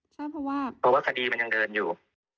ใช่เพราะว่ากลัวว่าคดีมันยังเดินอยู่